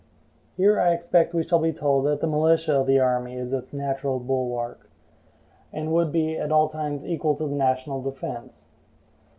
Here I expect we shall be told that the militia of the country is its natural bulwark, and would be at all times equal to the national defense.